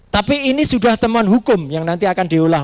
tapi ini sudah temuan hukum yang nanti akan diulang